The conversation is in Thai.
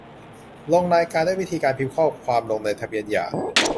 ลงรายการด้วยวิธีการพิมพ์ข้อความลงในทะเบียนหย่า